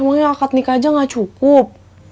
pokoknya akad nikah aja gak cukup